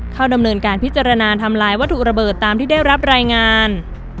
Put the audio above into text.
เข้าดำเนินการพิจารณาทำลายวัตถุระเบิดตามที่ได้รับรายงาน